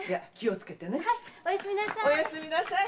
おやすみなさい。